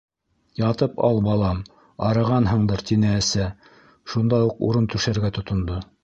- Ятып ал, балам, арығанһыңдыр, - тине әсә, шунда уҡ урын түшәргә тотондо.